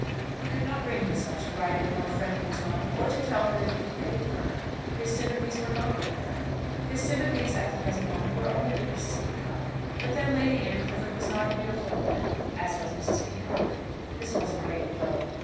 He could not bring himself to write in a more friendly tone, or to tell her that he forgave her. His sympathies were not with her. His sympathies at the present moment were only with Mrs. Peacocke. But then Lady Anne Clifford was not a beautiful woman, as was Mrs. Peacocke. This was a great blow.